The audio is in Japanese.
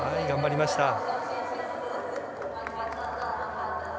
頑張りました。